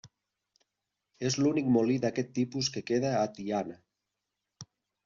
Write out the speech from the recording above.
És l'únic molí d'aquest tipus que queda a Tiana.